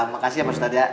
makasih ya pak ustadzah